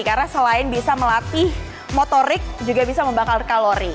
karena selain bisa melatih motorik juga bisa membakar kalori